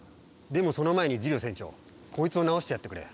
でもその前にジュリオ船長こいつを治してやってくれ。